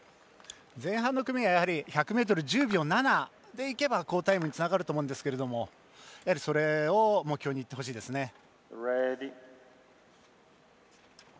前半の組が１００ｍ、１０秒７でいけば好タイムにつながると思うんですけどやはり、それを目標にいってほしいですね。